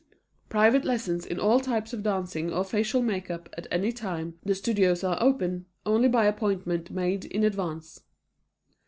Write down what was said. Private lessons in all types of dancing or facial makeup at any time the Studios are open, only by appointment made in advance.